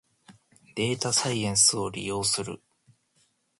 データサイエンスを利用する